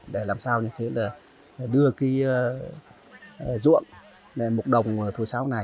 để làm sao như thế là đưa cái ruộng mục đồng thổi sáo này